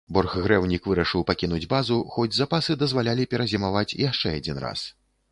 Борхгрэвінк вырашыў пакінуць базу, хоць запасы дазвалялі перазімаваць яшчэ адзін раз.